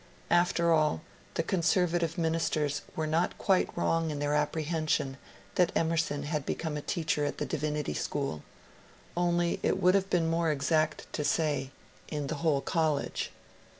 After all, the oonseryative ministers were not quite wrong in their apprehension that Emerson had beoome a teacher at the Divinity School ; only it would have been more exact to say, in the whole college.